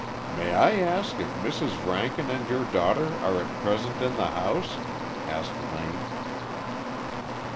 "May I ask if Mrs. Rankin and your daughter are at present in the house?" asked Lane.